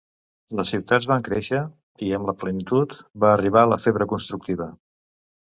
Les ciutats van créixer i, amb la plenitud, va arribar la febre constructiva.